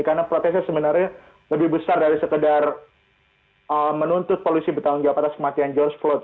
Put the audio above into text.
karena protesnya sebenarnya lebih besar dari sekedar menuntut polisi bertanggung jawab atas kematian george floyd